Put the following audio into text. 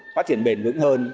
phát triển bền vững hơn